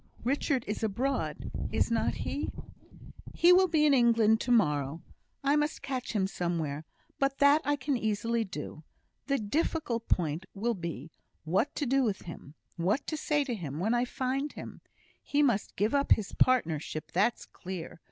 "Richard is abroad, is not he?" "He will be in England to morrow. I must catch him somewhere; but that I can easily do. The difficult point will be, what to do with him what to say to him, when I find him. He must give up his partnership, that's clear.